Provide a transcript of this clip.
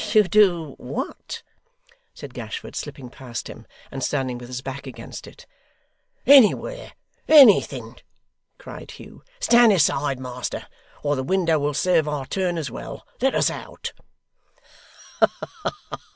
To do what?' said Gashford, slipping past him, and standing with his back against it. 'Anywhere! Anything!' cried Hugh. 'Stand aside, master, or the window will serve our turn as well. Let us out!